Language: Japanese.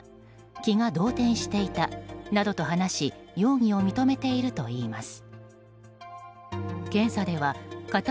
気が動転していたなどと話し容疑を認めているといいます。